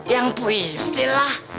yang puisi lah